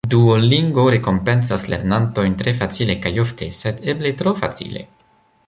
Duolingo rekompencas lernantojn tre facile kaj ofte, sed eble tro facile.